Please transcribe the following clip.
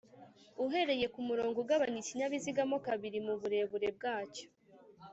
uhereye ku murongo ugabanya ikinyabiziga mo kabiri mu burebure bwacyo.